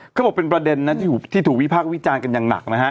เขาบอกเป็นประเด็นนั้นที่ถูกวิพากษ์วิจารณ์กันอย่างหนักนะฮะ